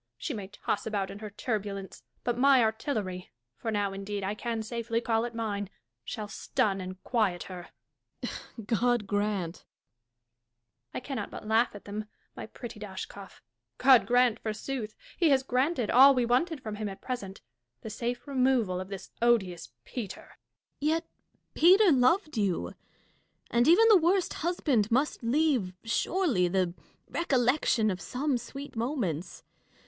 She may toss about in her turbulence ; but my artilleiy (for now, indeed, I can safely call it mine) shall stun and quiet her. Dashkof. God grant Catharine. I cannot but laugh at thee, my pretty Dashkof ! God grant, forsooth ! He has granted all we wanted from him at present — the safe removal of this odious Peter. Dashkof. Yet Peter loved you ; and even the worst husband must leave, surely, the recollection of some sweet moments.